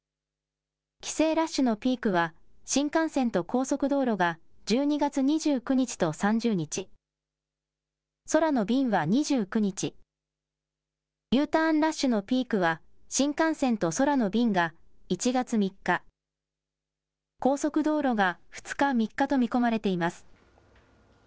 帰省ラッシュのピークは、新幹線と高速道路が１２月２９日と３０日、空の便は２９日、Ｕターンラッシュのピークは、新幹線と空の便が１月３日、高速道路が２日、３日と見込まれています。